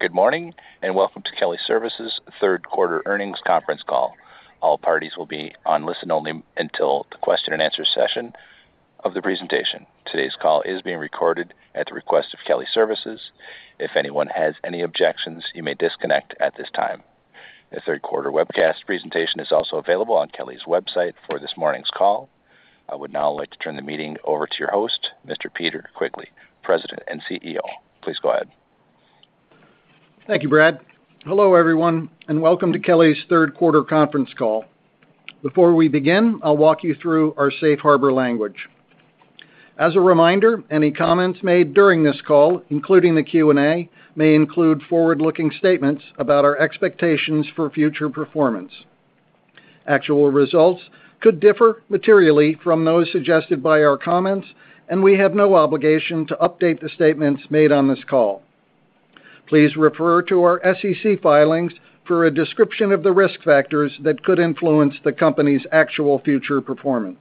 Good morning, and welcome to Kelly Services' third quarter earnings conference call. All parties will be on listen only until the question and answer session of the presentation. Today's call is being recorded at the request of Kelly Services. If anyone has any objections, you may disconnect at this time. The third quarter webcast presentation is also available on Kelly's website for this morning's call. I would now like to turn the meeting over to your host, Mr. Peter Quigley, President and CEO. Please go ahead. Thank you, Brad. Hello, everyone, and welcome to Kelly's third quarter conference call. Before we begin, I'll walk you through our Safe Harbor language. As a reminder, any comments made during this call, including the Q&A, may include forward-looking statements about our expectations for future performance. Actual results could differ materially from those suggested by our comments, and we have no obligation to update the statements made on this call. Please refer to our SEC filings for a description of the risk factors that could influence the company's actual future performance.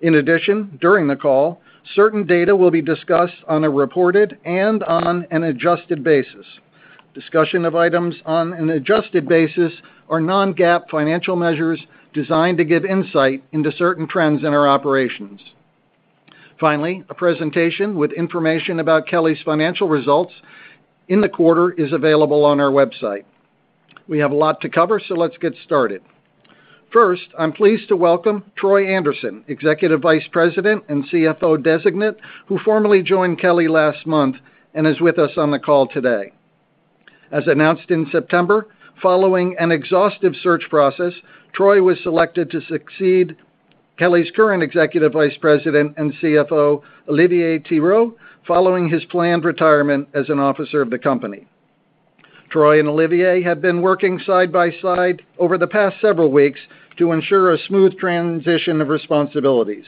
In addition, during the call, certain data will be discussed on a reported and on an adjusted basis. Discussion of items on an adjusted basis are non-GAAP financial measures designed to give insight into certain trends in our operations. Finally, a presentation with information about Kelly's financial results in the quarter is available on our website. We have a lot to cover, so let's get started. First, I'm pleased to welcome Troy Anderson, Executive Vice President and CFO Designate, who formally joined Kelly last month and is with us on the call today. As announced in September, following an exhaustive search process, Troy was selected to succeed Kelly's current Executive Vice President and CFO, Olivier Thirot, following his planned retirement as an officer of the company. Troy and Olivier have been working side by side over the past several weeks to ensure a smooth transition of responsibilities.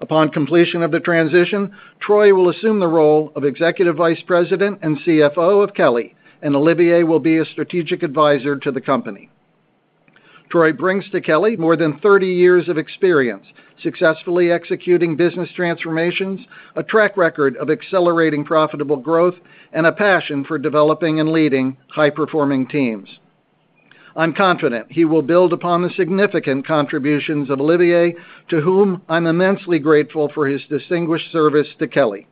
Upon completion of the transition, Troy will assume the role of Executive Vice President and CFO of Kelly, and Olivier will be a strategic advisor to the company. Troy brings to Kelly more than 30 years of experience, successfully executing business transformations, a track record of accelerating profitable growth, and a passion for developing and leading high-performing teams. I'm confident he will build upon the significant contributions of Olivier, to whom I'm immensely grateful for his distinguished service to Kelly.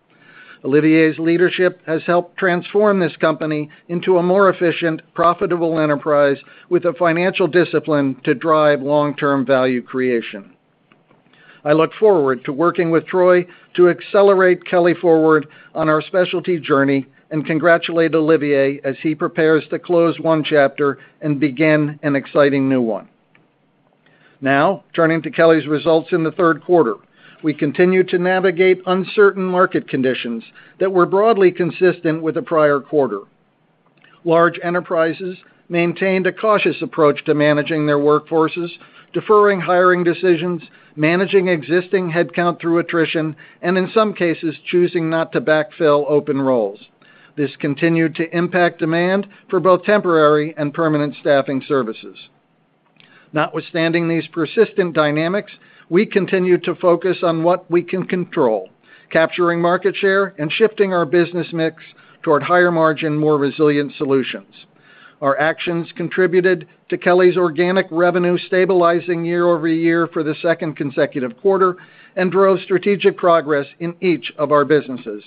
Olivier's leadership has helped transform this company into a more efficient, profitable enterprise with a financial discipline to drive long-term value creation. I look forward to working with Troy to accelerate Kelly forward on our specialty journey and congratulate Olivier as he prepares to close one chapter and begin an exciting new one. Now, turning to Kelly's results in the third quarter, we continue to navigate uncertain market conditions that were broadly consistent with the prior quarter. Large enterprises maintained a cautious approach to managing their workforces, deferring hiring decisions, managing existing headcount through attrition, and in some cases, choosing not to backfill open roles. This continued to impact demand for both temporary and permanent staffing services. Notwithstanding these persistent dynamics, we continue to focus on what we can control, capturing market share and shifting our business mix toward higher margin, more resilient solutions. Our actions contributed to Kelly's organic revenue stabilizing year over year for the second consecutive quarter and drove strategic progress in each of our businesses.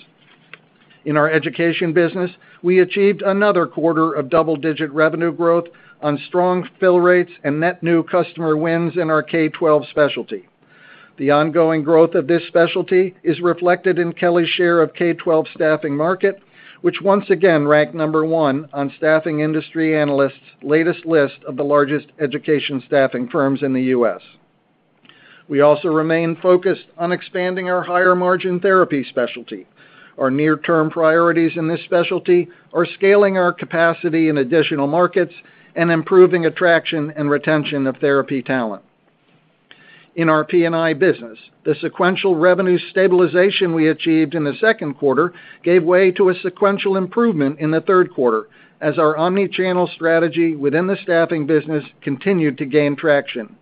In our education business, we achieved another quarter of double-digit revenue growth on strong fill rates and net new customer wins in our K-12 specialty. The ongoing growth of this specialty is reflected in Kelly's share of K-12 staffing market, which once again ranked number one on Staffing Industry Analysts' latest list of the largest education staffing firms in the U.S. We also remain focused on expanding our higher margin therapy specialty. Our near-term priorities in this specialty are scaling our capacity in additional markets and improving attraction and retention of therapy talent. In our P&I business, the sequential revenue stabilization we achieved in the second quarter gave way to a sequential improvement in the third quarter as our omnichannel strategy within the staffing business continued to gain traction.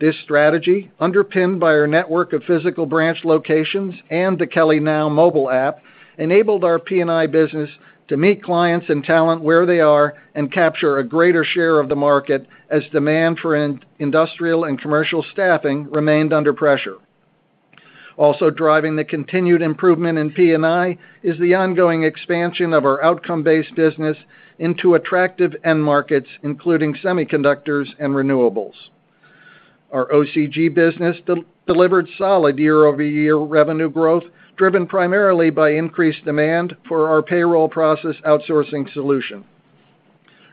This strategy, underpinned by our network of physical branch locations and the KellyNow mobile app, enabled our P&I business to meet clients and talent where they are and capture a greater share of the market as demand for industrial and commercial staffing remained under pressure. Also driving the continued improvement in P&I is the ongoing expansion of our outcome-based business into attractive end markets, including semiconductors and renewables. Our OCG business delivered solid year-over-year revenue growth, driven primarily by increased demand for our payroll process outsourcing solution.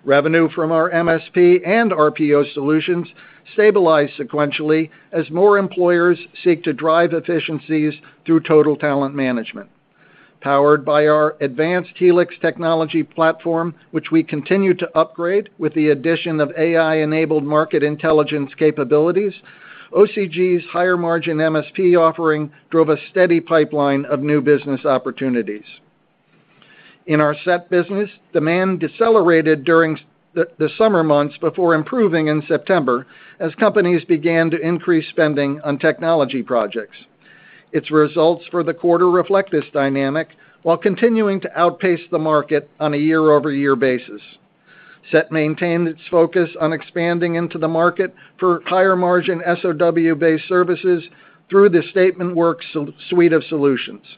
Revenue from our MSP and RPO solutions stabilized sequentially as more employers seek to drive efficiencies through total talent management. Powered by our advanced Helix technology platform, which we continue to upgrade with the addition of AI-enabled market intelligence capabilities, OCG's higher margin MSP offering drove a steady pipeline of new business opportunities. In our SET business, demand decelerated during the summer months before improving in September as companies began to increase spending on technology projects. Its results for the quarter reflect this dynamic while continuing to outpace the market on a year-over-year basis. SET maintained its focus on expanding into the market for higher margin SOW-based services through the statement of work suite of solutions.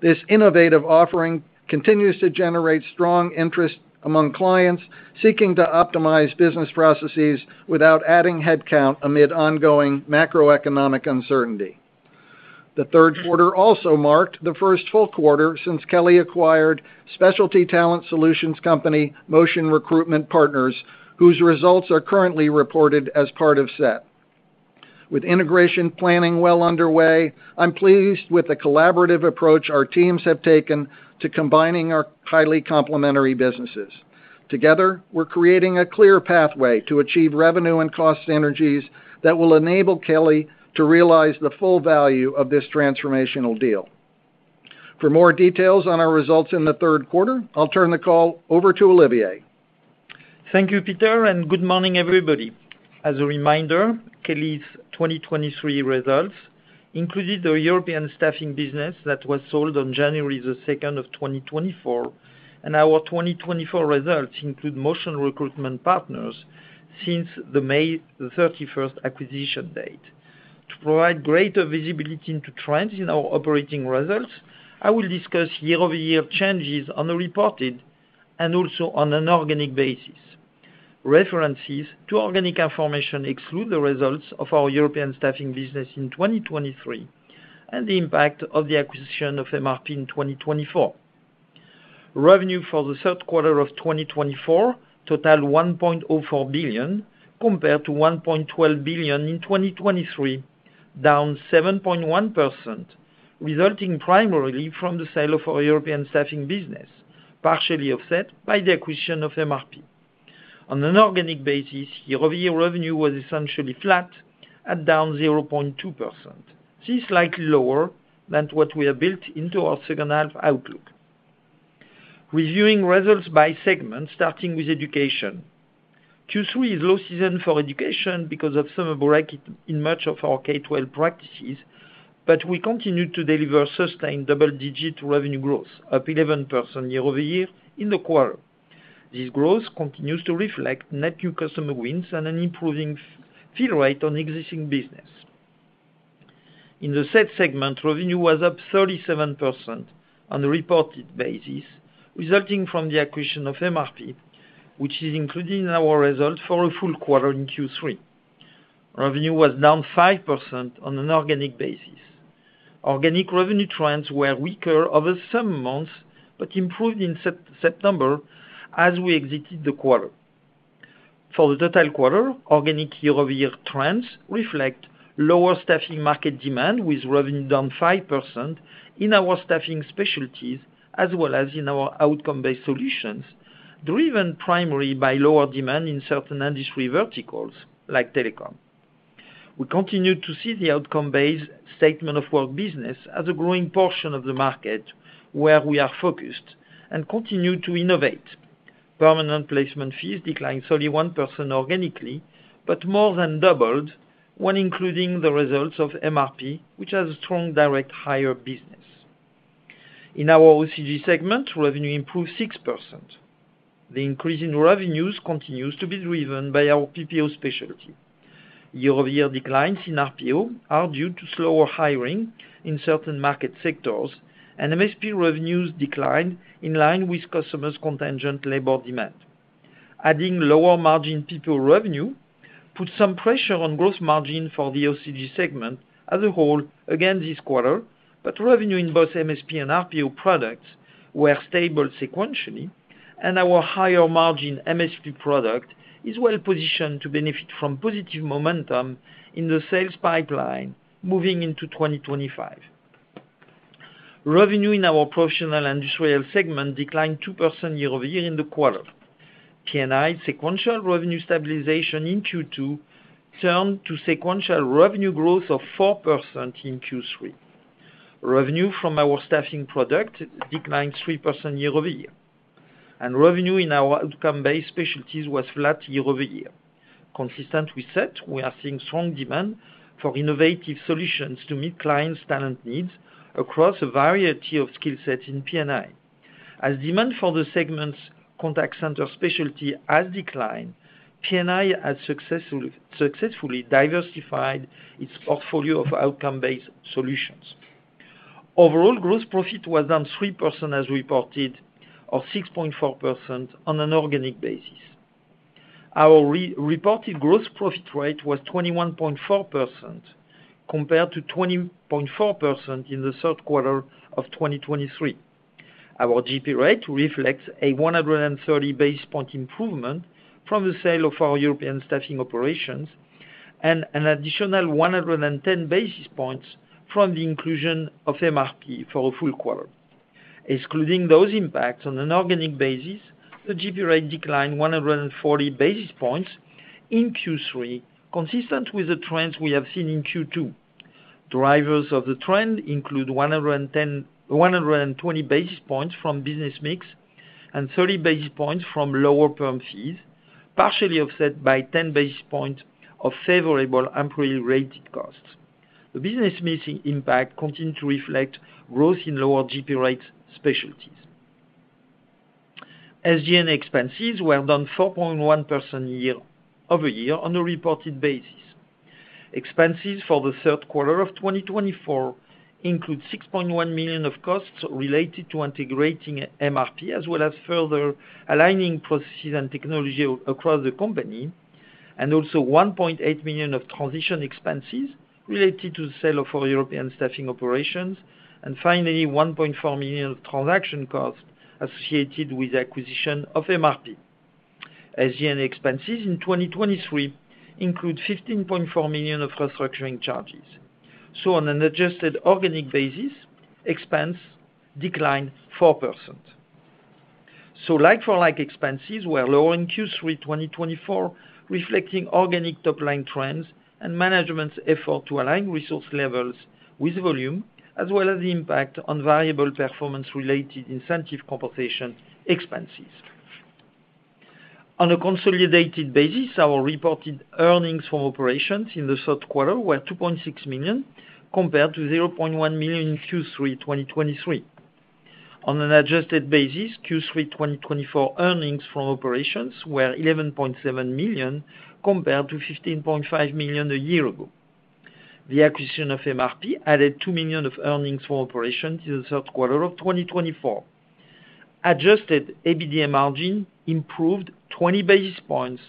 This innovative offering continues to generate strong interest among clients seeking to optimize business processes without adding headcount amid ongoing macroeconomic uncertainty. The third quarter also marked the first full quarter since Kelly acquired the specialty talent solutions company Motion Recruitment Partners, whose results are currently reported as part of SET. With integration planning well underway, I'm pleased with the collaborative approach our teams have taken to combining our highly complementary businesses. Together, we're creating a clear pathway to achieve revenue and cost synergies that will enable Kelly to realize the full value of this transformational deal. For more details on our results in the third quarter, I'll turn the call over to Olivier. Thank you, Peter, and good morning, everybody. As a reminder, Kelly's 2023 results included the European staffing business that was sold on January the 2nd of 2024, and our 2024 results include Motion Recruitment Partners since the May 31st acquisition date. To provide greater visibility into trends in our operating results, I will discuss year-over-year changes on the reported and also on an organic basis. References to organic information exclude the results of our European staffing business in 2023 and the impact of the acquisition of MRP in 2024. Revenue for the third quarter of 2024 totaled $1.04 billion compared to $1.12 billion in 2023, down 7.1%, resulting primarily from the sale of our European staffing business, partially offset by the acquisition of MRP. On an organic basis, year-over-year revenue was essentially flat at down 0.2%, a slightly lower than what we have built into our second-half outlook. Reviewing results by segment, starting with education. Q3 is low season for education because of summer break in much of our K-12 practices, but we continue to deliver sustained double-digit revenue growth, up 11% year-over-year in the quarter. This growth continues to reflect net new customer wins and an improving fill rate on existing business. In the SET segment, revenue was up 37% on a reported basis, resulting from the acquisition of MRP, which is included in our result for the full quarter in Q3. Revenue was down 5% on an organic basis. Organic revenue trends were weaker over some months but improved in September as we exited the quarter. For the total quarter, organic year-over-year trends reflect lower staffing market demand, with revenue down 5% in our staffing specialties as well as in our outcome-based solutions, driven primarily by lower demand in certain industry verticals like telecom. We continue to see the outcome-based statement of work business as a growing portion of the market where we are focused and continue to innovate. Permanent placement fees declined solely 1% organically, but more than doubled when including the results of MRP, which has a strong direct hire business. In our OCG segment, revenue improved 6%. The increase in revenues continues to be driven by our PPO specialty. Year-over-year declines in RPO are due to slower hiring in certain market sectors, and MSP revenues declined in line with customers' contingent labor demand. Adding lower margin PPO revenue put some pressure on gross margin for the OCG segment as a whole again this quarter, but revenue in both MSP and RPO products were stable sequentially, and our higher margin MSP product is well positioned to benefit from positive momentum in the sales pipeline moving into 2025. Revenue in our professional industrial segment declined 2% year-over-year in the quarter. P&I sequential revenue stabilization in Q2 turned to sequential revenue growth of 4% in Q3. Revenue from our staffing product declined 3% year-over-year, and revenue in our outcome-based specialties was flat year-over-year. Consistent with SET, we are seeing strong demand for innovative solutions to meet clients' talent needs across a variety of skill sets in P&I. As demand for the segment's contact center specialty has declined, P&I has successfully diversified its portfolio of outcome-based solutions. Overall, gross profit was down 3% as reported, or 6.4% on an organic basis. Our reported gross profit rate was 21.4% compared to 20.4% in the third quarter of 2023. Our GP rate reflects a 130 basis point improvement from the sale of our European staffing operations and an additional 110 basis points from the inclusion of MRP for the full quarter. Excluding those impacts on an organic basis, the GP rate declined 140 basis points in Q3, consistent with the trends we have seen in Q2. Drivers of the trend include 120 basis points from business mix and 30 basis points from lower firm fees, partially offset by 10 basis points of favorable employee-related costs. The business mix impact continues to reflect growth in lower GP rate specialties. SG&A expenses were down 4.1% year-over-year on a reported basis. Expenses for the third quarter of 2024 include $6.1 million of costs related to integrating MRP as well as further aligning processes and technology across the company, and also $1.8 million of transition expenses related to the sale of our European staffing operations, and finally, $1.4 million of transaction costs associated with the acquisition of MRP. SG&A expenses in 2023 include $15.4 million of restructuring charges. On an adjusted organic basis, expenses declined 4%. Like-for-like expenses were lower in Q3 2024, reflecting organic top-line trends and management's effort to align resource levels with volume, as well as the impact on variable performance-related incentive compensation expenses. On a consolidated basis, our reported earnings from operations in the third quarter were $2.6 million compared to $0.1 million in Q3 2023. On an adjusted basis, Q3 2024 earnings from operations were $11.7 million compared to $15.5 million a year ago. The acquisition of MRP added $2 million of earnings from operations in the third quarter of 2024. Adjusted EBITDA margin improved 20 basis points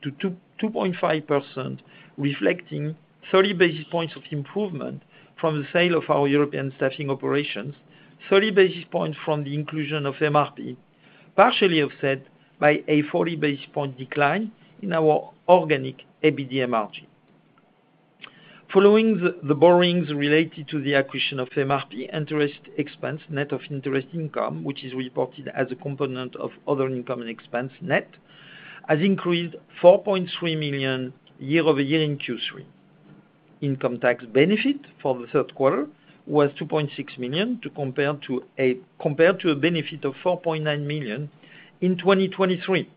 to 2.5%, reflecting 30 basis points of improvement from the sale of our European staffing operations, 30 basis points from the inclusion of MRP, partially offset by a 40 basis point decline in our organic EBITDA margin. Following the borrowings related to the acquisition of MRP, interest expense, net of interest income, which is reported as a component of other income and expense net, has increased $4.3 million year-over-year in Q3. Income tax benefit for the third quarter was $2.6 million compared to a benefit of $4.9 million in 2023.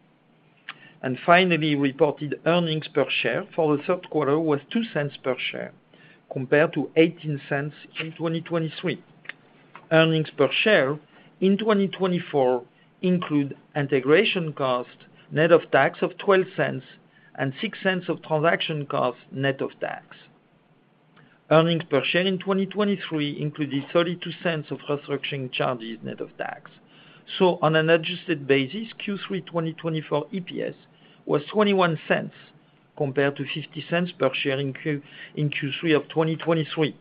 And finally, reported earnings per share for the third quarter was $0.02 per share, compared to $0.18 in 2023. Earnings per share in 2024 include integration cost, net of tax of $0.12, and $0.06 of transaction cost, net of tax. Earnings per share in 2023 included $0.32 of restructuring charges, net of tax. So, on an adjusted basis, Q3 2024 EPS was $0.21 compared to $0.50 per share in Q3 of 2023.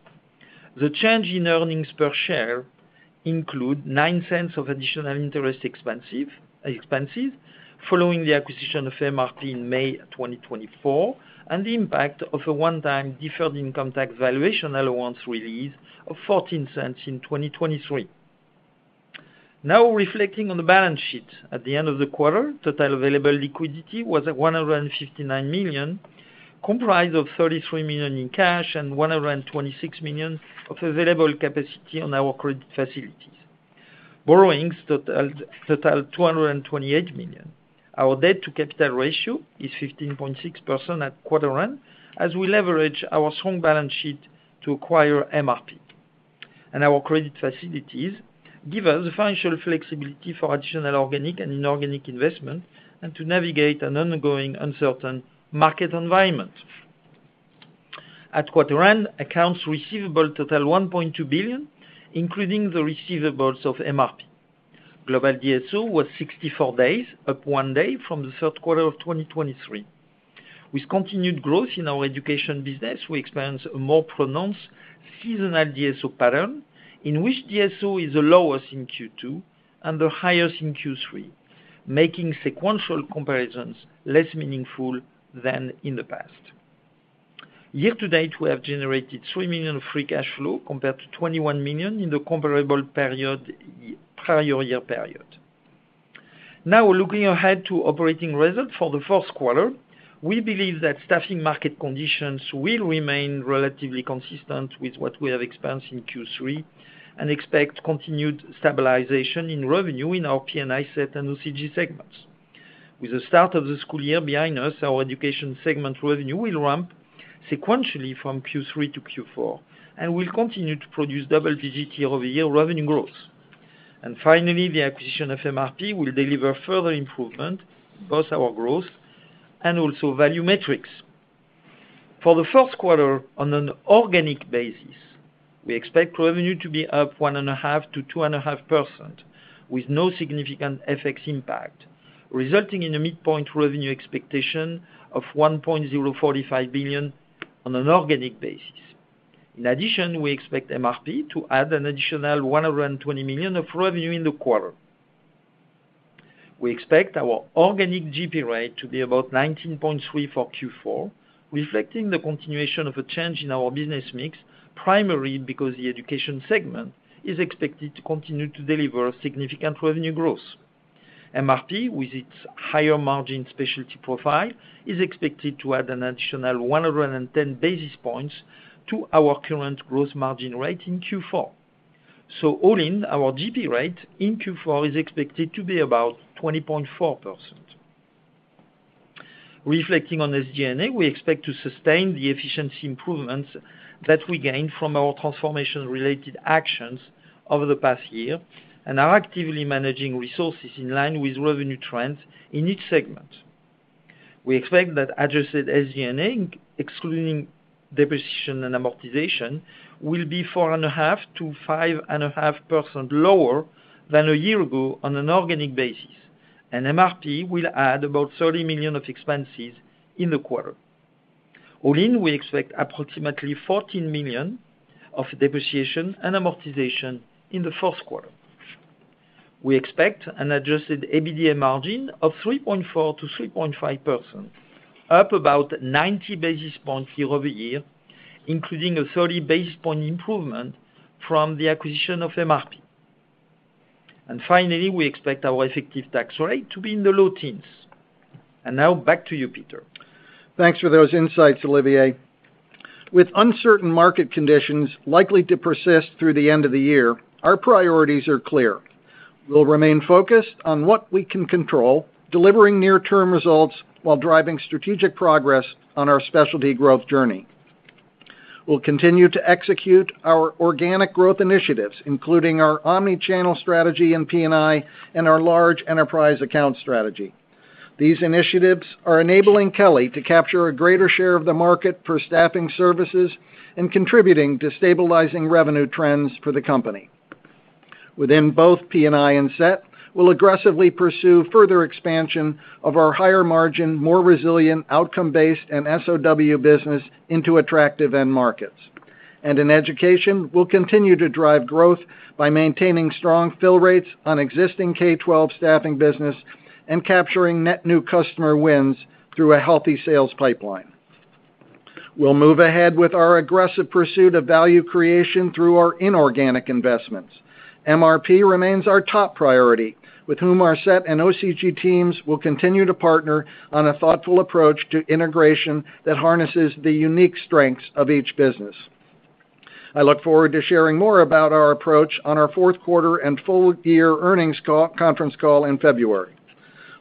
The change in earnings per share includes $0.09 of additional interest expenses following the acquisition of MRP in May 2024 and the impact of a one-time deferred income tax valuation allowance release of $0.14 in 2023. Now, reflecting on the balance sheet at the end of the quarter, total available liquidity was $159 million, comprised of $33 million in cash and $126 million of available capacity on our credit facilities. Borrowings totaled $228 million. Our debt-to-capital ratio is 15.6% at quarter-end as we leverage our strong balance sheet to acquire MRP, and our credit facilities give us the financial flexibility for additional organic and inorganic investment and to navigate an ongoing uncertain market environment. At quarter-end, accounts receivable totaled $1.2 billion, including the receivables of MRP. Global DSO was 64 days, up one day from the third quarter of 2023. With continued growth in our education business, we experience a more pronounced seasonal DSO pattern in which DSO is the lowest in Q2 and the highest in Q3, making sequential comparisons less meaningful than in the past. Year-to-date, we have generated $3 million of free cash flow compared to $21 million in the comparable prior year period. Now, looking ahead to operating results for the fourth quarter, we believe that staffing market conditions will remain relatively consistent with what we have experienced in Q3 and expect continued stabilization in revenue in our P&I, SET, and OCG segments. With the start of the school year behind us, our education segment revenue will ramp sequentially from Q3 to Q4 and will continue to produce double-digit year-over-year revenue growth. And finally, the acquisition of MRP will deliver further improvement in both our growth and also value metrics. For the fourth quarter, on an organic basis, we expect revenue to be up 1.5%-2.5% with no significant FX impact, resulting in a midpoint revenue expectation of $1.045 billion on an organic basis. In addition, we expect MRP to add an additional $120 million of revenue in the quarter. We expect our organic GP rate to be about 19.3% for Q4, reflecting the continuation of a change in our business mix, primarily because the education segment is expected to continue to deliver significant revenue growth. MRP, with its higher margin specialty profile, is expected to add an additional 110 basis points to our current gross margin rate in Q4. All in, our GP rate in Q4 is expected to be about 20.4%. Reflecting on SG&A, we expect to sustain the efficiency improvements that we gained from our transformation-related actions over the past year and are actively managing resources in line with revenue trends in each segment. We expect that adjusted SG&A, excluding depreciation and amortization, will be 4.5%-5.5% lower than a year ago on an organic basis, and MRP will add about $30 million of expenses in the quarter. All in, we expect approximately $14 million of depreciation and amortization in the fourth quarter. We expect an adjusted EBITDA margin of 3.4%-3.5%, up about 90 basis points year-over-year, including a 30 basis point improvement from the acquisition of MRP. And finally, we expect our effective tax rate to be in the low teens. And now, back to you, Peter. Thanks for those insights, Olivier. With uncertain market conditions likely to persist through the end of the year, our priorities are clear. We'll remain focused on what we can control, delivering near-term results while driving strategic progress on our specialty growth journey. We'll continue to execute our organic growth initiatives, including our omnichannel strategy in P&I and our large enterprise account strategy. These initiatives are enabling Kelly to capture a greater share of the market for staffing services and contributing to stabilizing revenue trends for the company. Within both P&I and SET, we'll aggressively pursue further expansion of our higher-margin, more resilient outcome-based and SOW business into attractive end markets. And in education, we'll continue to drive growth by maintaining strong fill rates on existing K-12 staffing business and capturing net new customer wins through a healthy sales pipeline. We'll move ahead with our aggressive pursuit of value creation through our inorganic investments. MRP remains our top priority, with whom our SET and OCG teams will continue to partner on a thoughtful approach to integration that harnesses the unique strengths of each business. I look forward to sharing more about our approach on our fourth quarter and full-year earnings conference call in February.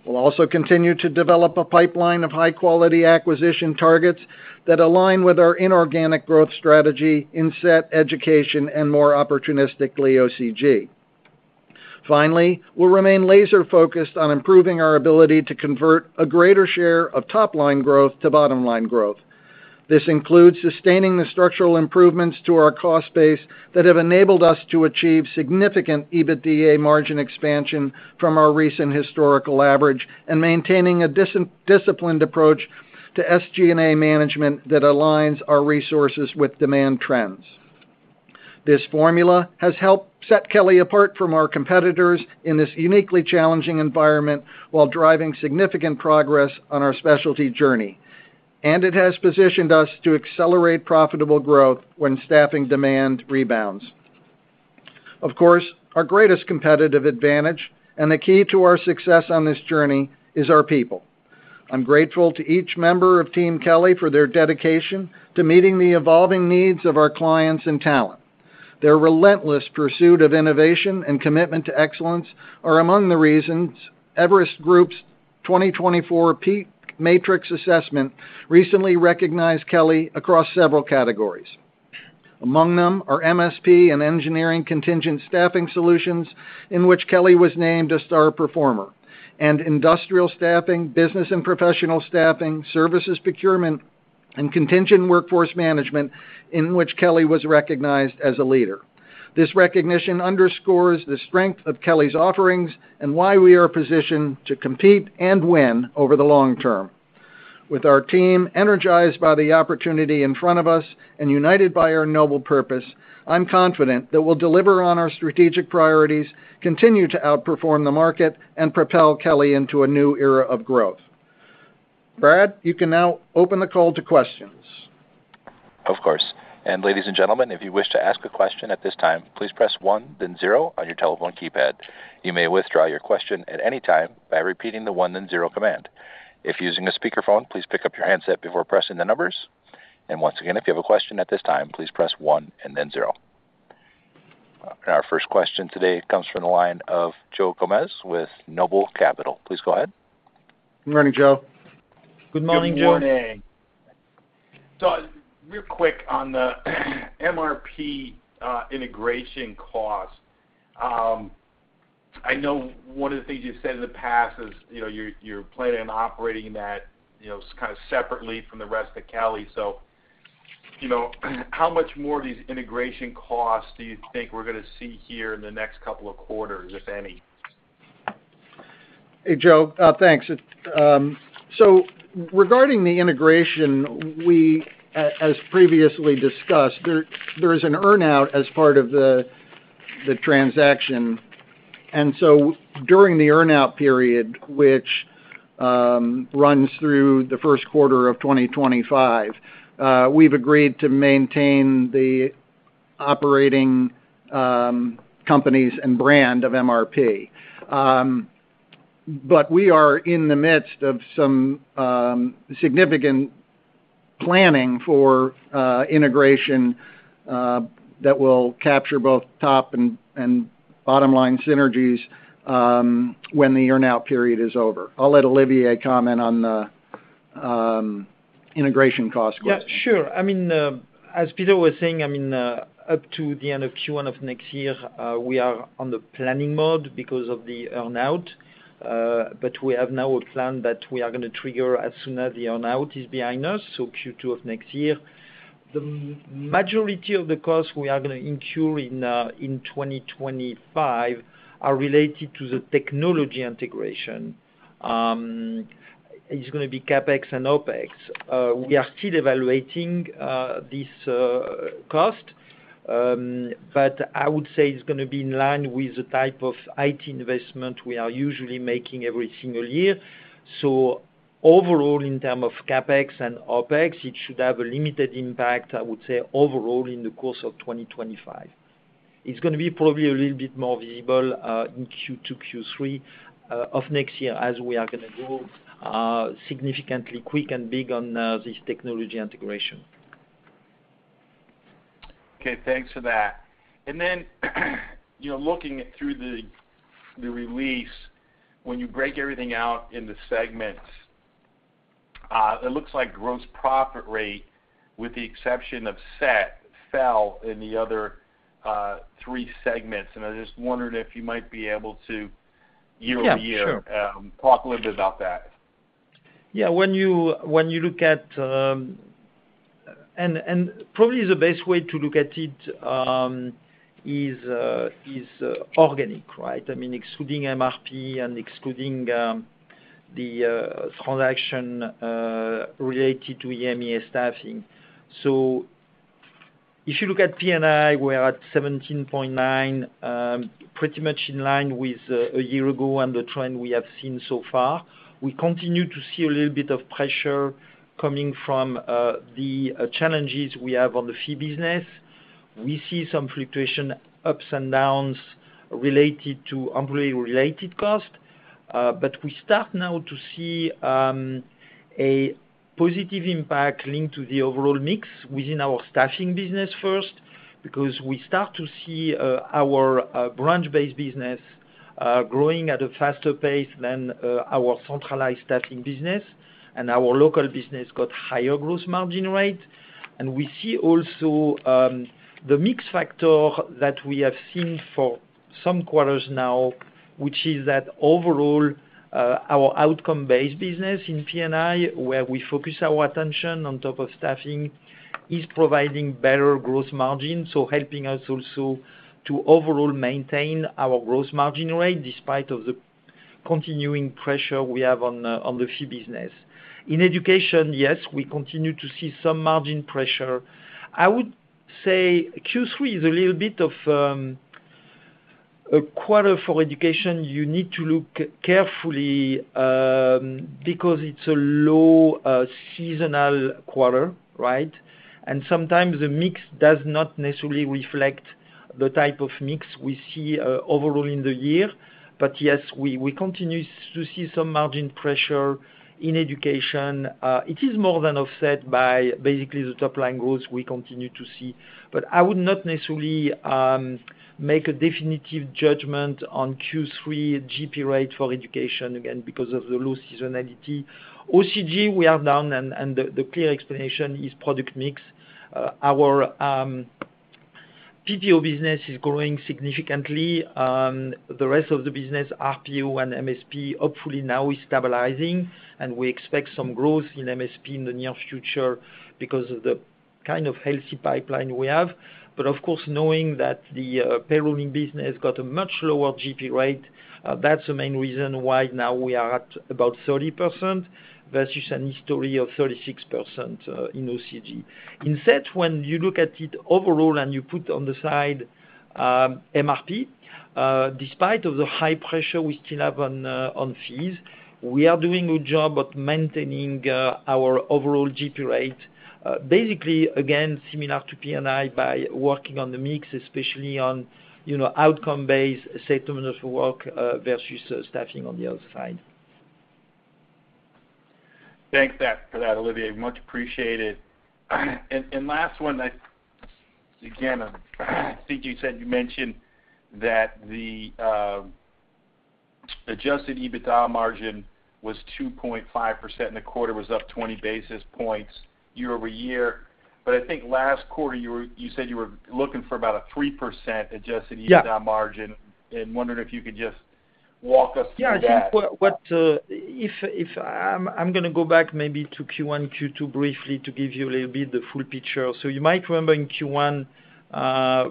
We'll also continue to develop a pipeline of high-quality acquisition targets that align with our inorganic growth strategy in SET, education, and more opportunistically OCG. Finally, we'll remain laser-focused on improving our ability to convert a greater share of top-line growth to bottom-line growth. This includes sustaining the structural improvements to our cost base that have enabled us to achieve significant EBITDA margin expansion from our recent historical average and maintaining a disciplined approach to SG&A management that aligns our resources with demand trends. This formula has helped set Kelly apart from our competitors in this uniquely challenging environment while driving significant progress on our specialty journey, and it has positioned us to accelerate profitable growth when staffing demand rebounds. Of course, our greatest competitive advantage and the key to our success on this journey is our people. I'm grateful to each member of Team Kelly for their dedication to meeting the evolving needs of our clients and talent. Their relentless pursuit of innovation and commitment to excellence are among the reasons Everest Group's 2024 PEAK Matrix assessment recently recognized Kelly across several categories. Among them are MSP and engineering contingent staffing solutions in which Kelly was named a star performer, and industrial staffing, business and professional staffing, services procurement, and contingent workforce management in which Kelly was recognized as a leader. This recognition underscores the strength of Kelly's offerings and why we are positioned to compete and win over the long term. With our team energized by the opportunity in front of us and united by our noble purpose, I'm confident that we'll deliver on our strategic priorities, continue to outperform the market, and propel Kelly into a new era of growth. Brad, you can now open the call to questions. Of course. And ladies and gentlemen, if you wish to ask a question at this time, please press one, then zero on your telephone keypad. You may withdraw your question at any time by repeating the one, then zero command. If using a speakerphone, please pick up your handset before pressing the numbers. And once again, if you have a question at this time, please press one, and then zero. Our first question today comes from the line of Joe Gomes with Noble Capital. Please go ahead. Good morning, Joe. Good morning, Joe. Good morning. So real quick on the MRP integration cost. I know one of the things you've said in the past is you're planning on operating that kind of separately from the rest of Kelly. So how much more of these integration costs do you think we're going to see here in the next couple of quarters, if any? Hey, Joe. Thanks. So regarding the integration, as previously discussed, there is an earnout as part of the transaction. And so during the earnout period, which runs through the first quarter of 2025, we've agreed to maintain the operating companies and brand of MRP. But we are in the midst of some significant planning for integration that will capture both top and bottom-line synergies when the earnout period is over. I'll let Olivier comment on the integration cost question. Yeah, sure. I mean, as Peter was saying, I mean, up to the end of Q1 of next year, we are on the planning mode because of the earnout. But we have now a plan that we are going to trigger as soon as the earnout is behind us, so Q2 of next year. The majority of the costs we are going to incur in 2025 are related to the technology integration. It's going to be CapEx and OpEx. We are still evaluating this cost, but I would say it's going to be in line with the type of IT investment we are usually making every single year. So overall, in terms of CapEx and OpEx, it should have a limited impact, I would say, overall in the course of 2025. It's going to be probably a little bit more visible in Q2, Q3 of next year as we are going to go significantly quick and big on this technology integration. Okay. Thanks for that. And then looking through the release, when you break everything out into segments, it looks like gross profit rate, with the exception of SET, fell in the other three segments. And I just wondered if you might be able to, year-over-year, talk a little bit about that. Yeah. When you look at and probably the best way to look at it is organic, right? I mean, excluding MRP and excluding the transaction related to EMEA staffing. So if you look at P&I, we're at 17.9, pretty much in line with a year ago and the trend we have seen so far. We continue to see a little bit of pressure coming from the challenges we have on the fee business. We see some fluctuation, ups and downs related to employee-related cost. But we start now to see a positive impact linked to the overall mix within our staffing business first because we start to see our branch-based business growing at a faster pace than our centralized staffing business. And our local business got higher gross margin rate. And we see also the mix factor that we have seen for some quarters now, which is that overall, our outcome-based business in P&I, where we focus our attention on top of staffing, is providing better gross margin, so helping us also to overall maintain our gross margin rate despite the continuing pressure we have on the fee business. In education, yes, we continue to see some margin pressure. I would say Q3 is a little bit of a quarter for education. You need to look carefully because it's a low seasonal quarter, right? And sometimes the mix does not necessarily reflect the type of mix we see overall in the year. But yes, we continue to see some margin pressure in education. It is more than offset by basically the top-line growth we continue to see. But I would not necessarily make a definitive judgment on Q3 GP rate for education, again, because of the low seasonality. OCG, we are down, and the clear explanation is product mix. Our PPO business is growing significantly. The rest of the business, RPO and MSP, hopefully now is stabilizing, and we expect some growth in MSP in the near future because of the kind of healthy pipeline we have. But of course, knowing that the payrolling business got a much lower GP rate, that's the main reason why now we are at about 30% versus a history of 36% in OCG. In SET, when you look at it overall and you put on the side MRP, despite the high pressure we still have on fees, we are doing a good job of maintaining our overall GP rate, basically, again, similar to P&I by working on the mix, especially on outcome-based statement of work versus staffing on the other side. Thanks for that, Olivier. Much appreciated. And last one, again, I think you said you mentioned that the Adjusted EBITDA margin was 2.5% in the quarter, was up 20 basis points year-over-year. But I think last quarter, you said you were looking for about a 3% Adjusted EBITDA margin. And wondering if you could just walk us through that. Yeah. I think what I'm going to go back maybe to Q1, Q2 briefly to give you a little bit of the full picture. So you might remember in Q1,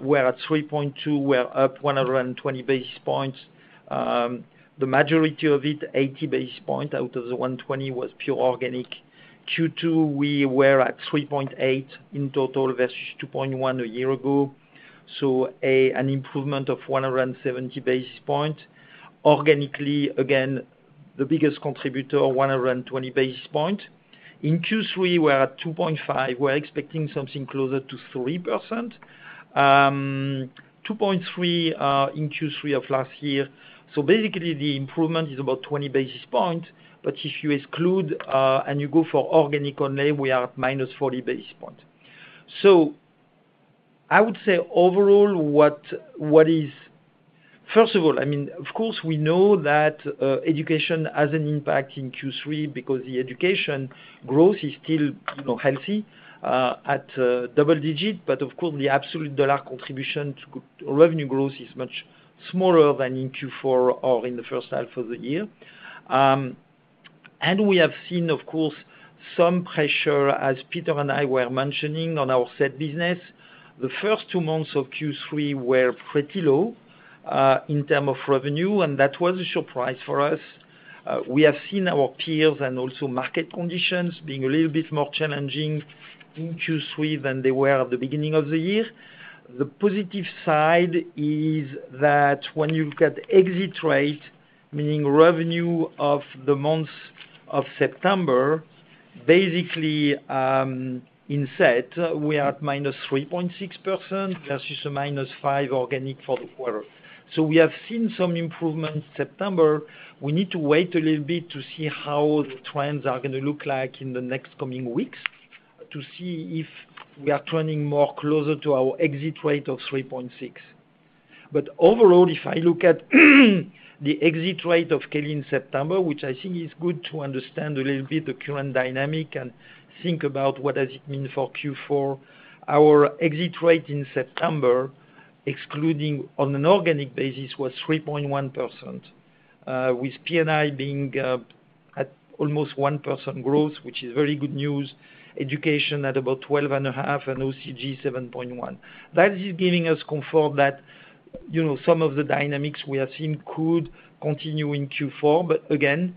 we're at 3.2. We're up 120 basis points. The majority of it, 80 basis points out of the 120, was pure organic. Q2, we were at 3.8 in total versus 2.1 a year ago, so an improvement of 170 basis points. Organically, again, the biggest contributor, 120 basis points. In Q3, we're at 2.5. We're expecting something closer to 3%. 2.3 in Q3 of last year. So basically, the improvement is about 20 basis points. But if you exclude and you go for organic only, we are at minus 40 basis points. So I would say overall, what is first of all, I mean, of course, we know that education has an impact in Q3 because the education growth is still healthy at double digits. But of course, the absolute dollar contribution to revenue growth is much smaller than in Q4 or in the first half of the year. And we have seen, of course, some pressure, as Peter and I were mentioning, on our SET business. The first two months of Q3 were pretty low in terms of revenue, and that was a surprise for us. We have seen our peers and also market conditions being a little bit more challenging in Q3 than they were at the beginning of the year. The positive side is that when you look at exit rate, meaning revenue of the month of September, basically in SET, we are at -3.6% versus a -5% organic for the quarter. So we have seen some improvement in September. We need to wait a little bit to see how the trends are going to look like in the next coming weeks to see if we are turning more closer to our exit rate of 3.6%. But overall, if I look at the exit rate of Kelly in September, which I think is good to understand a little bit the current dynamic and think about what does it mean for Q4, our exit rate in September, excluding on an organic basis, was 3.1%, with P&I being at almost 1% growth, which is very good news. Education at about 12.5% and OCG 7.1%. That is giving us confirmation that some of the dynamics we have seen could continue in Q4. But again,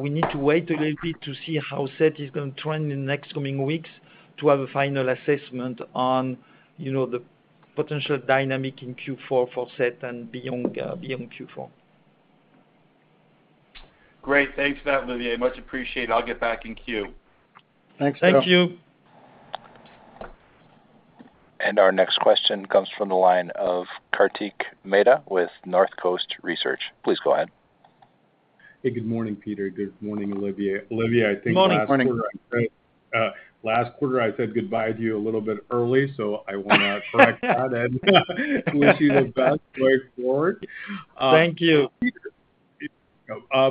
we need to wait a little bit to see how SET is going to trend in the next coming weeks to have a final assessment on the potential dynamic in Q4 for SET and beyond Q4. Great. Thanks for that, Olivier. Much appreciated. I'll get back in queue. Thanks, Joe. Thank you. And our next question comes from the line of Kartik Mehta with North Coast Research. Please go ahead. Hey, good morning, Peter. Good morning, Olivier. Olivier, I think last quarter I said goodbye to you a little bit early, so I want to correct that and wish you the best going forward. Thank you.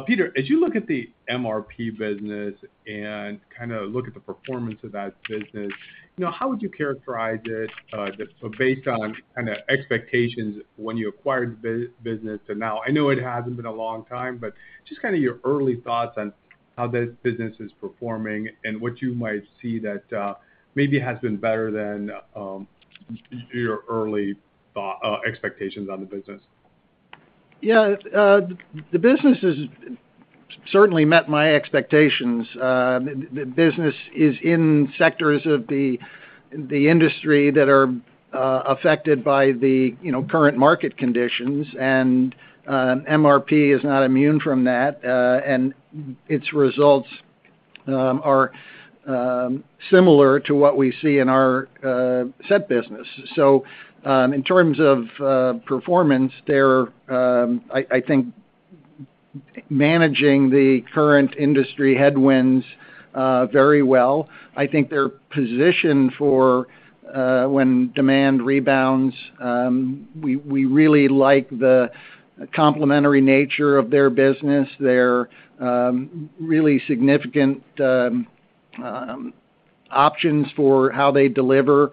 Peter, as you look at the MRP business and kind of look at the performance of that business, how would you characterize it based on kind of expectations when you acquired the business to now? I know it hasn't been a long time, but just kind of your early thoughts on how this business is performing and what you might see that maybe has been better than your early expectations on the business? Yeah. The business has certainly met my expectations. The business is in sectors of the industry that are affected by the current market conditions, and MRP is not immune from that, and its results are similar to what we see in our SET business, so in terms of performance, I think it's managing the current industry headwinds very well. I think they're positioned for when demand rebounds. We really like the complementary nature of their business, they're really significant options for how they deliver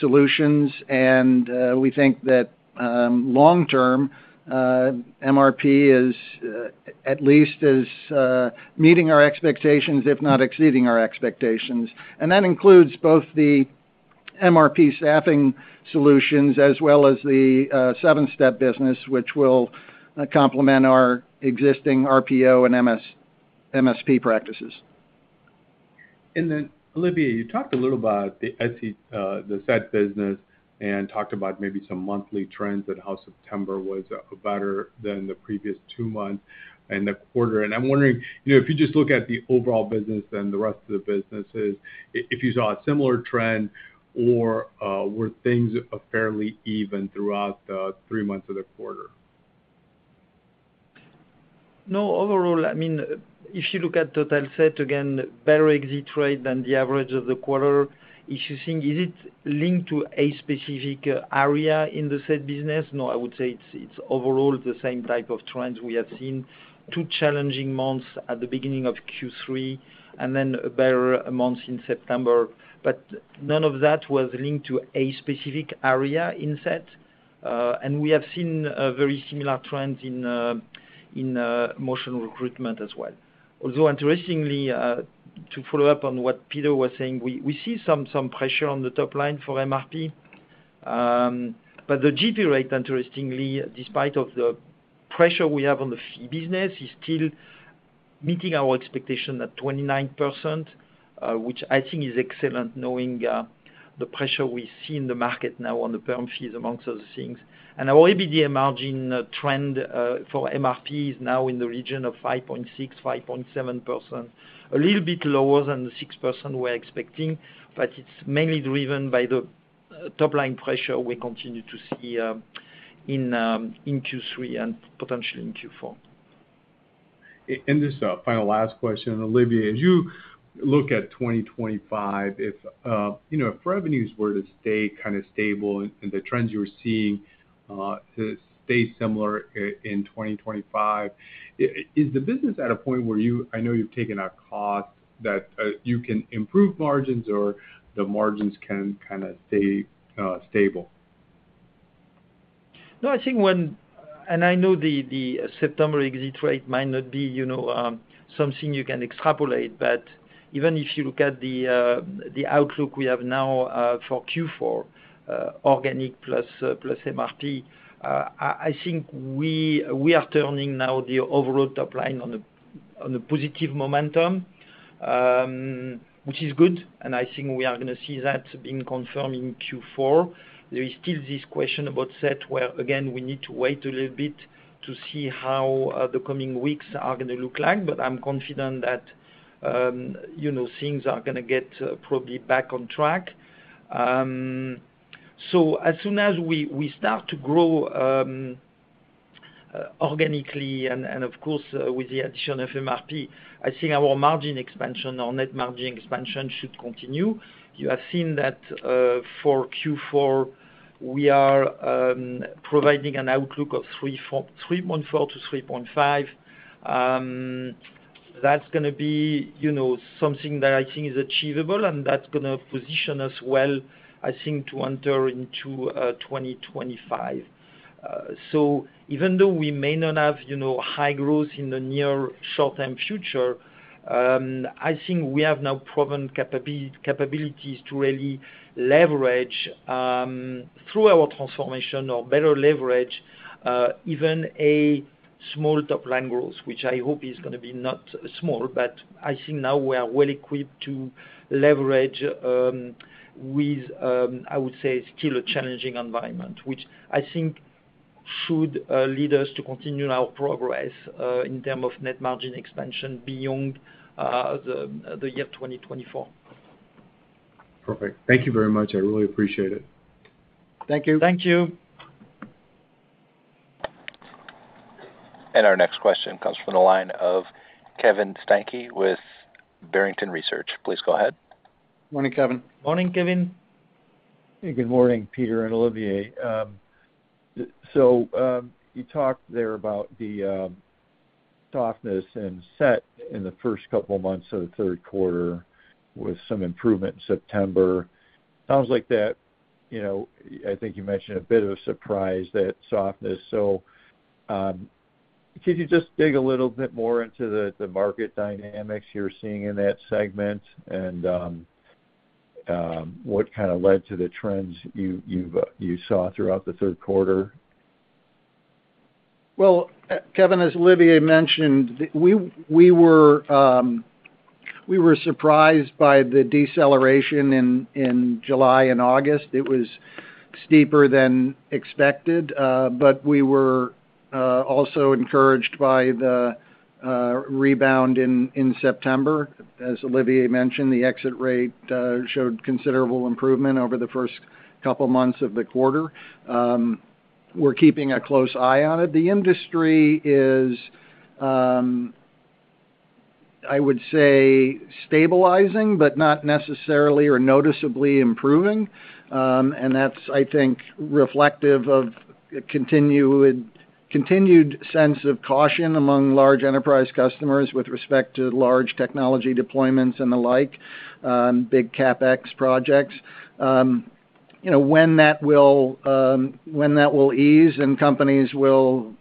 solutions, and we think that long-term, MRP is at least meeting our expectations, if not exceeding our expectations. That includes both the MRP staffing solutions as well as the Sevenstep business, which will complement our existing RPO and MSP practices. Then, Olivier, you talked a little about the SET business and talked about maybe some monthly trends and how September was better than the previous two months and the quarter. I'm wondering if you just look at the overall business and the rest of the businesses, if you saw a similar trend or were things fairly even throughout the three months of the quarter. No, overall, I mean, if you look at total SET, again, better exit rate than the average of the quarter. If you think, is it linked to a specific area in the SET business? No, I would say it's overall the same type of trends we have seen. Two challenging months at the beginning of Q3 and then better months in September. But none of that was linked to a specific area in SET. And we have seen very similar trends in Motion Recruitment as well. Although, interestingly, to follow up on what Peter was saying, we see some pressure on the top line for MRP. But the GP rate, interestingly, despite the pressure we have on the fee business, is still meeting our expectation at 29%, which I think is excellent knowing the pressure we see in the market now on the permanent fees amongst other things. And our EBITDA margin trend for MRP is now in the region of 5.6%-5.7%, a little bit lower than the 6% we're expecting. But it's mainly driven by the top-line pressure we continue to see in Q3 and potentially in Q4. And just a final last question, Olivier, as you look at 2025, if revenues were to stay kind of stable and the trends you were seeing stay similar in 2025, is the business at a point where you I know you've taken a cost that you can improve margins or the margins can kind of stay stable? No, I think when and I know the September exit rate might not be something you can extrapolate. But even if you look at the outlook we have now for Q4, organic plus MRP, I think we are turning now the overall top line on a positive momentum, which is good. And I think we are going to see that being confirmed in Q4. There is still this question about SET where, again, we need to wait a little bit to see how the coming weeks are going to look like. But I'm confident that things are going to get probably back on track. So as soon as we start to grow organically and, of course, with the addition of MRP, I think our margin expansion, our net margin expansion should continue. You have seen that for Q4, we are providing an outlook of 3.4-3.5. That's going to be something that I think is achievable, and that's going to position us well, I think, to enter into 2025. So even though we may not have high growth in the near short-term future, I think we have now proven capabilities to really leverage through our transformation or better leverage even a small top-line growth, which I hope is going to be not small. But I think now we are well equipped to leverage with, I would say, still a challenging environment, which I think should lead us to continue our progress in terms of net margin expansion beyond the year 2024. Perfect. Thank you very much. I really appreciate it. Thank you. Thank you. And our next question comes from the line of Kevin Steinke with Barrington Research. Please go ahead. Morning, Kevin. Morning, Kevin. Hey, good morning, Peter and Olivier. So you talked there about the softness in SET in the first couple of months of the third quarter with some improvement in September. Sounds like that I think you mentioned a bit of a surprise, that softness. So could you just dig a little bit more into the market dynamics you're seeing in that segment and what kind of led to the trends you saw throughout the third quarter? Well, Kevin, as Olivier mentioned, we were surprised by the deceleration in July and August. It was steeper than expected. But we were also encouraged by the rebound in September. As Olivier mentioned, the exit rate showed considerable improvement over the first couple of months of the quarter. We're keeping a close eye on it. The industry is, I would say, stabilizing, but not necessarily or noticeably improving. And that's, I think, reflective of a continued sense of caution among large enterprise customers with respect to large technology deployments and the like, big CapEx projects. When that will ease and companies will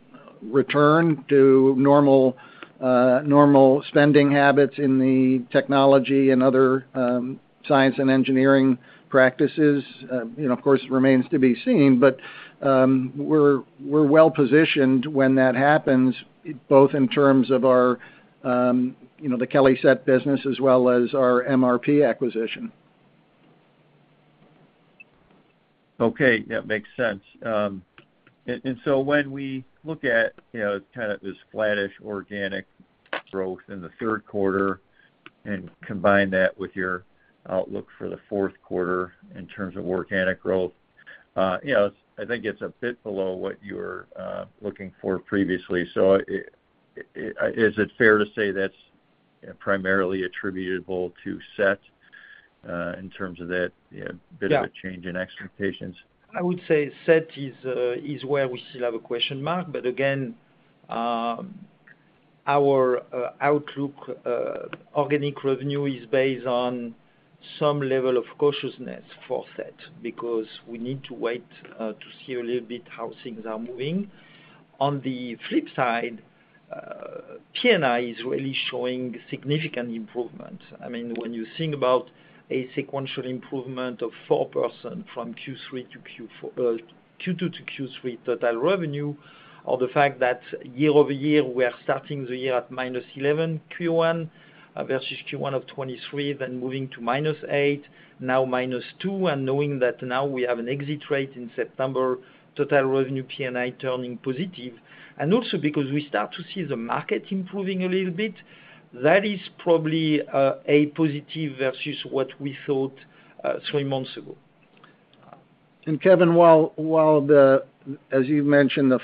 return to normal spending habits in the technology and other science and engineering practices, of course, remains to be seen. But we're well positioned when that happens, both in terms of the Kelly SET business as well as our MRP acquisition. Okay. That makes sense. And so when we look at kind of this flattish organic growth in the third quarter and combine that with your outlook for the fourth quarter in terms of organic growth, I think it's a bit below what you were looking for previously. So is it fair to say that's primarily attributable to SET in terms of that bit of a change in expectations? I would say SET is where we still have a question mark. But again, our outlook, organic revenue is based on some level of cautiousness for SET because we need to wait to see a little bit how things are moving. On the flip side, P&I is really showing significant improvements. I mean, when you think about a sequential improvement of 4% from Q2 to Q3 total revenue, or the fact that year over year, we are starting the year at minus 11 Q1 versus Q1 of 2023, then moving to -8, now -2, and knowing that now we have an exit rate in September, total revenue P&I turning positive. And also because we start to see the market improving a little bit, that is probably a positive versus what we thought three months ago. And Kevin, while the, as you mentioned, the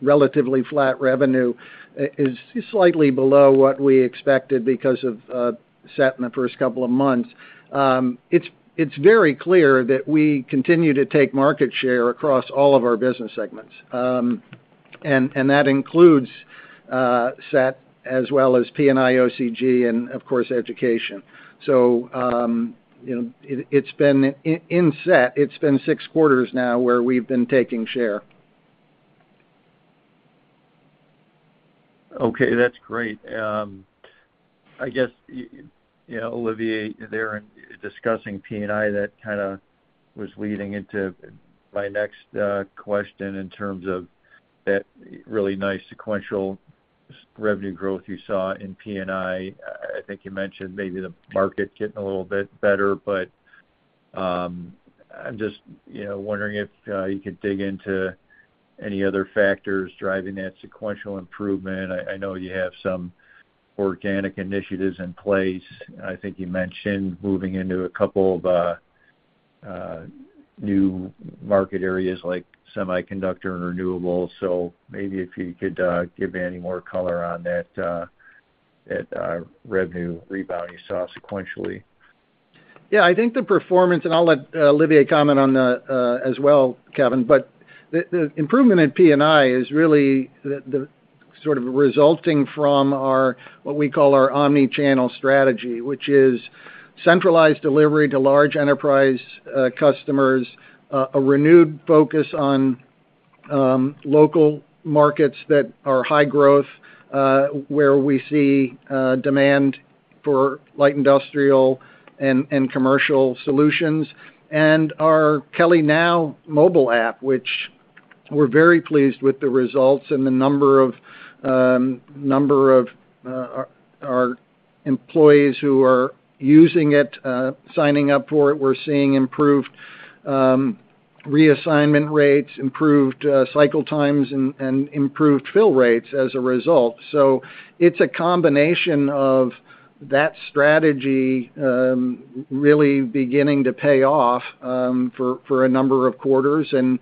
relatively flat revenue is slightly below what we expected because of SET in the first couple of months, it's very clear that we continue to take market share across all of our business segments. And that includes SET as well as P&I, OCG, and of course, education. So it's been in SET. It's been six quarters now where we've been taking share. Okay. That's great. I guess, Olivier, you're there and discussing P&I that kind of was leading into my next question in terms of that really nice sequential revenue growth you saw in P&I. I think you mentioned maybe the market getting a little bit better, but I'm just wondering if you could dig into any other factors driving that sequential improvement. I know you have some organic initiatives in place. I think you mentioned moving into a couple of new market areas like semiconductor and renewables. So maybe if you could give me any more color on that revenue rebound you saw sequentially. Yeah. I think the performance and I'll let Olivier comment on that as well, Kevin. But the improvement in P&I is really sort of resulting from what we call our omnichannel strategy, which is centralized delivery to large enterprise customers, a renewed focus on local markets that are high growth where we see demand for light industrial and commercial solutions. And our KellyNow mobile app, which we're very pleased with the results and the number of our employees who are using it, signing up for it, we're seeing improved reassignment rates, improved cycle times, and improved fill rates as a result. So it's a combination of that strategy really beginning to pay off for a number of quarters. And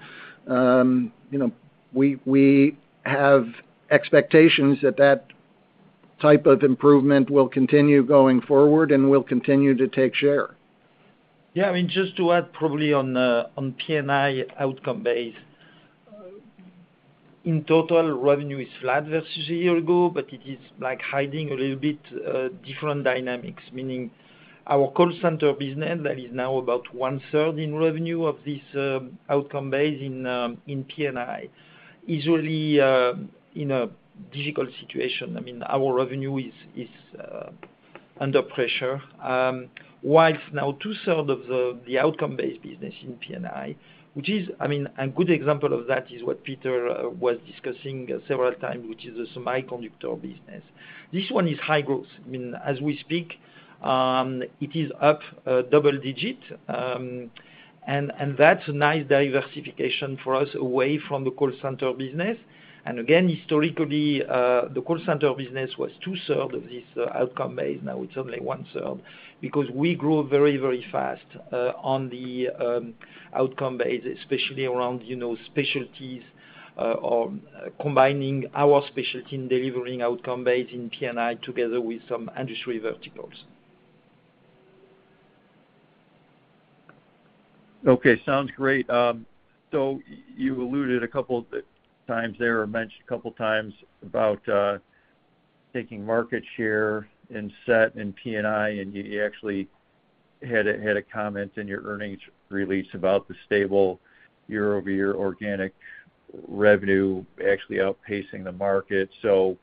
we have expectations that that type of improvement will continue going forward and will continue to take share. Yeah. I mean, just to add probably on P&I outcome base, in total, revenue is flat versus a year ago, but it is hiding a little bit different dynamics, meaning our call center business that is now about one-third in revenue of this outcome base in P&I is really in a difficult situation. I mean, our revenue is under pressure, while it's now two-thirds of the outcome base business in P&I, which is, I mean, a good example of that is what Peter was discussing several times, which is the semiconductor business. This one is high growth. I mean, as we speak, it is up double digits, and that's a nice diversification for us away from the call center business, and again, historically, the call center business was two-thirds of this outcome base. Now it's only one-third because we grow very, very fast on the outcome-based, especially around specialties or combining our specialty in delivering outcome-based in P&I together with some industry verticals. Okay. Sounds great. So you alluded a couple of times there or mentioned a couple of times about taking market share in SET and P&I, and you actually had a comment in your earnings release about the stable year-over-year organic revenue actually outpacing the market. So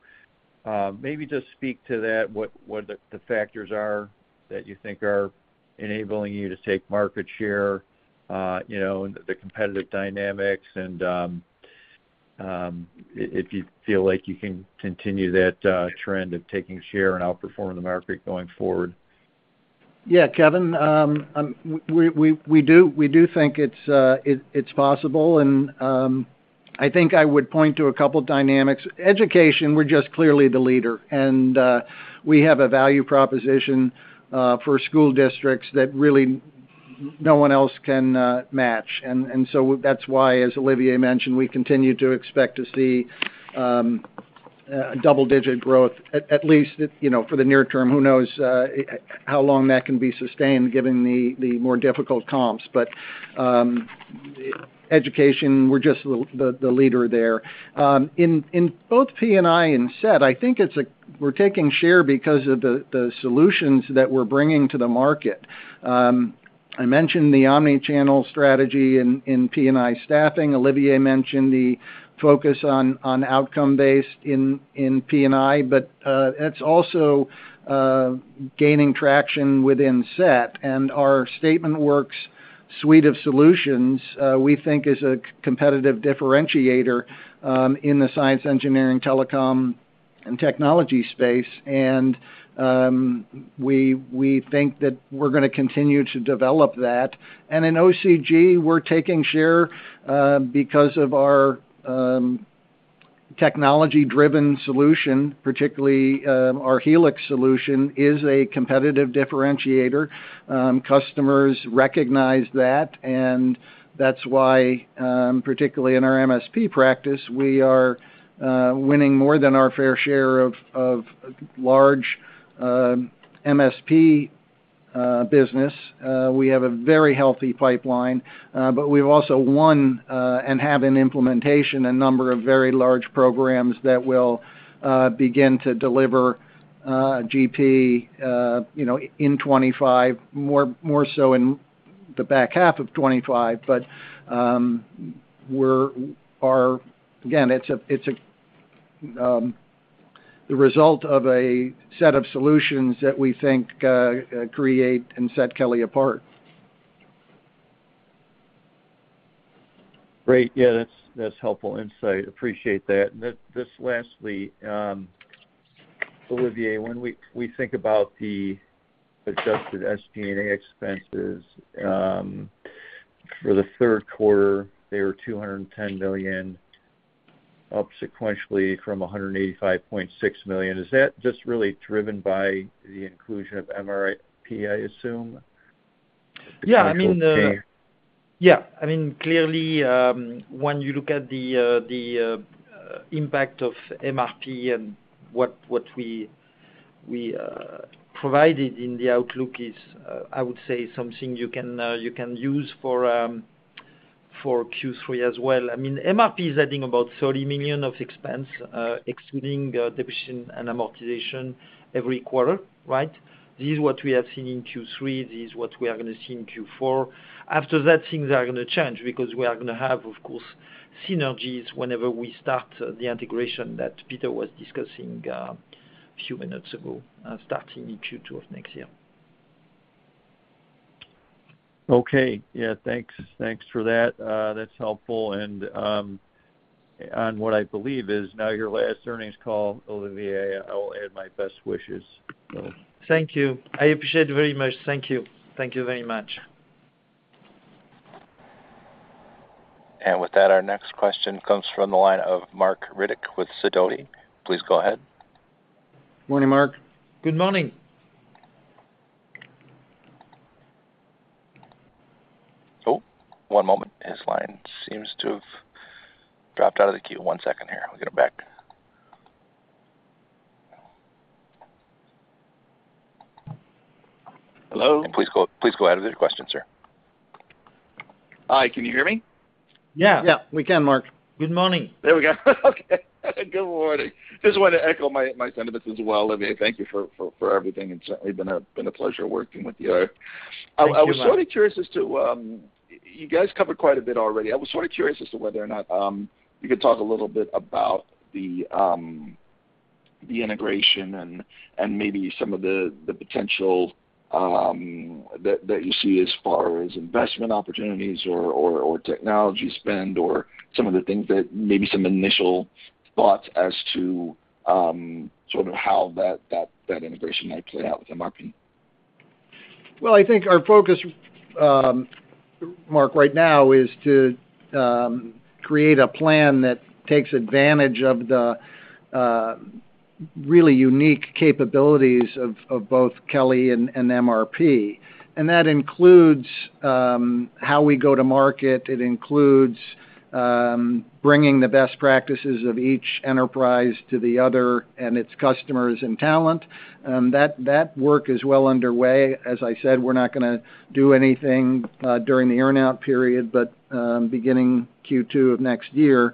maybe just speak to that, what the factors are that you think are enabling you to take market share and the competitive dynamics, and if you feel like you can continue that trend of taking share and outperforming the market going forward. Yeah, Kevin, we do think it's possible. And I think I would point to a couple of dynamics. Education, we're just clearly the leader. And we have a value proposition for school districts that really no one else can match. And so that's why, as Olivier mentioned, we continue to expect to see double-digit growth, at least for the near term. Who knows how long that can be sustained given the more difficult comps. But education, we're just the leader there. In both P&I and SET, I think we're taking share because of the solutions that we're bringing to the market. I mentioned the omnichannel strategy in P&I staffing. Olivier mentioned the focus on outcome-based in P&I, but that's also gaining traction within SET. And our Statement of Work suite of solutions, we think, is a competitive differentiator in the science, engineering, telecom, and technology space. And we think that we're going to continue to develop that. In OCG, we're taking share because of our technology-driven solution, particularly our Helix solution is a competitive differentiator. Customers recognize that. That's why, particularly in our MSP practice, we are winning more than our fair share of large MSP business. We have a very healthy pipeline, but we've also won and have an implementation, a number of very large programs that will begin to deliver GP in 2025, more so in the back half of 2025. But again, it's the result of a set of solutions that we think create and set Kelly apart. Great. Yeah. That's helpful insight. Appreciate that. Just lastly, Olivier, when we think about the adjusted SG&A expenses for the third quarter, they were $210 million up sequentially from $185.6 million. Is that just really driven by the inclusion of MRP, I assume? Yeah. I mean, yeah. I mean, clearly, when you look at the impact of MRP and what we provided in the outlook is, I would say, something you can use for Q3 as well. I mean, MRP is adding about $30 million of expense, excluding depreciation and amortization every quarter, right? This is what we have seen in Q3. This is what we are going to see in Q4. After that, things are going to change because we are going to have, of course, synergies whenever we start the integration that Peter was discussing a few minutes ago, starting in Q2 of next year. Okay. Yeah. Thanks for that. That's helpful, and on what I believe is now your last earnings call, Olivier, I will add my best wishes. Thank you. I appreciate it very much. Thank you. Thank you very much. And with that, our next question comes from the line of Marc Riddick with Sidoti. Please go ahead. Good morning, Marc. Good morning. Oh, one moment. His line seems to have dropped out of the queue. One second here. I'll get him back. Hello? And please go ahead with your question, sir. Hi. Can you hear me? Yeah. Yeah. We can, Marc. Good morning. There we go. Okay. Good morning. Just want to echo my sentiments as well, Olivier. Thank you for everything. It's certainly been a pleasure working with you. I was sort of curious as to you guys covered quite a bit already. I was sort of curious as to whether or not you could talk a little bit about the integration and maybe some of the potential that you see as far as investment opportunities or technology spend or some of the things that maybe some initial thoughts as to sort of how that integration might play out with the market? Well, I think our focus, Marc, right now is to create a plan that takes advantage of the really unique capabilities of both Kelly and MRP. And that includes how we go to market. It includes bringing the best practices of each enterprise to the other and its customers and talent. That work is well underway. As I said, we're not going to do anything during the earnout period, but beginning Q2 of next year,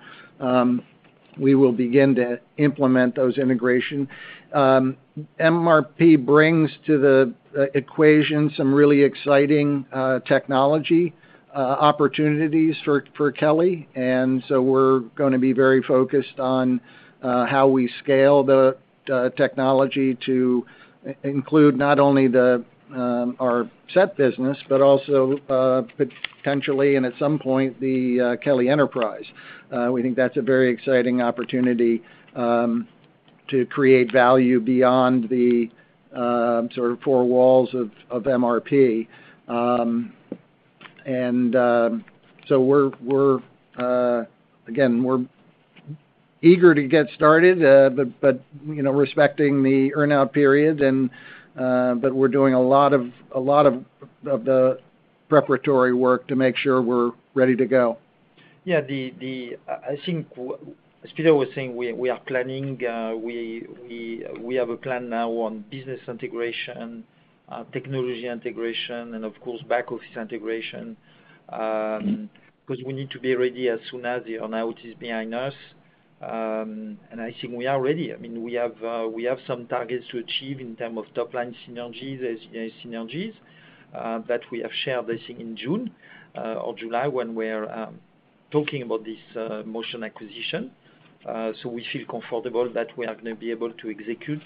we will begin to implement those integrations. MRP brings to the equation some really exciting technology opportunities for Kelly. And so we're going to be very focused on how we scale the technology to include not only our SET business, but also potentially, and at some point, the Kelly enterprise. We think that's a very exciting opportunity to create value beyond the sort of four walls of MRP. And so again, we're eager to get started, but respecting the earnout period. But we're doing a lot of the preparatory work to make sure we're ready to go. Yeah. I think Peter was saying we are planning. We have a plan now on business integration, technology integration, and of course, back office integration because we need to be ready as soon as the earnout is behind us. And I think we are ready. I mean, we have some targets to achieve in terms of top-line synergies that we have shared, I think, in June or July when we're talking about this Motion acquisition. So we feel comfortable that we are going to be able to execute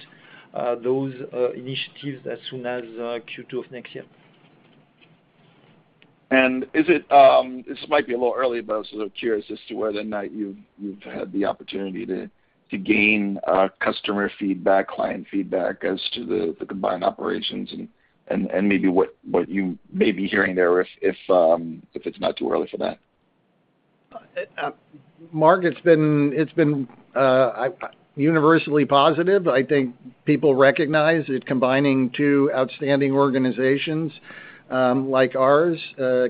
those initiatives as soon as Q2 of next year. And this might be a little early, but I'm sort of curious as to whether or not you've had the opportunity to gain customer feedback, client feedback as to the combined operations and maybe what you may be hearing there if it's not too early for that. Marc, it's been universally positive. I think people recognize that combining two outstanding organizations like ours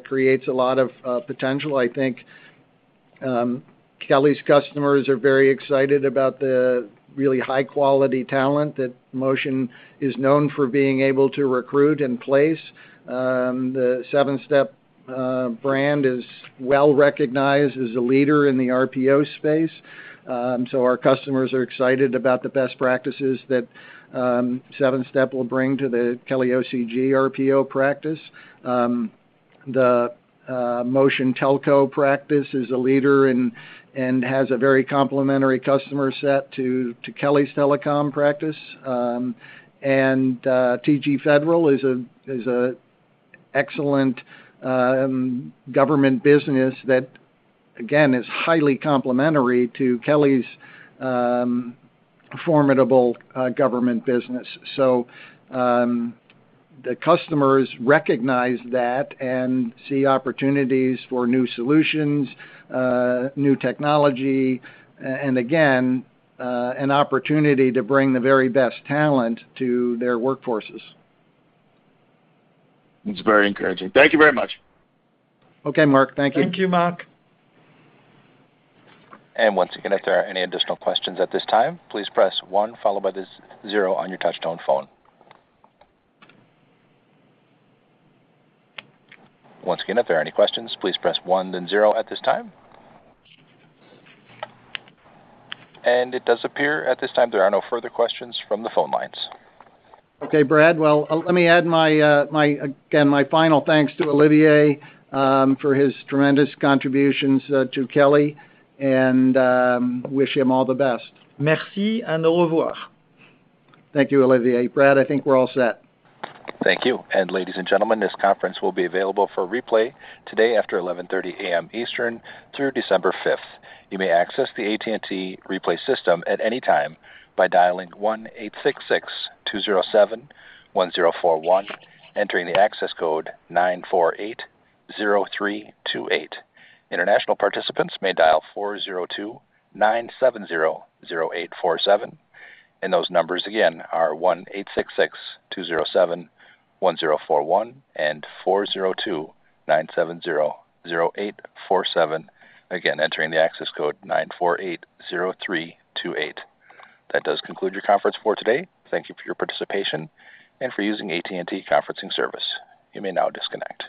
creates a lot of potential. I think Kelly's customers are very excited about the really high-quality talent that Motion is known for being able to recruit and place. The Seven Step brand is well recognized as a leader in the RPO space. So our customers are excited about the best practices that Seven Step will bring to the KellyOCG RPO practice. The Motion Telco practice is a leader and has a very complementary customer set to Kelly's telecom practice. And TG Federal is an excellent government business that, again, is highly complementary to Kelly's formidable government business. So the customers recognize that and see opportunities for new solutions, new technology, and again, an opportunity to bring the very best talent to their workforces. It's very encouraging. Thank you very much. Okay, Marc. Thank you. Thank you, Marc. And once again, if there are any additional questions at this time, please press one, followed by the zero on your touch-tone phone. Once again, if there are any questions, please press one, then zero at this time. It does appear at this time there are no further questions from the phone lines. Okay, Brad. Well, let me add, again, my final thanks to Olivier for his tremendous contributions to Kelly and wish him all the best. Merci and au revoir. Thank you, Olivier. Brad, I think we're all set. Thank you. Ladies and gentlemen, this conference will be available for replay today after 11:30 A.M. Eastern through December 5th. You may access the AT&T replay system at any time by dialing 1-866-207-1041, entering the access code 9480328. International participants may dial 402-970-0847. Those numbers again are 1-866-207-1041 and 402-970-0847, again, entering the access code 9480328. That does conclude your conference for today. Thank you for your participation and for using AT&T Conferencing Service. You may now disconnect.